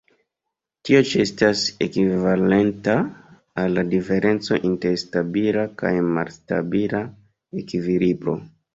Tio ĉi estas ekvivalenta al la diferenco inter stabila kaj malstabila ekvilibro.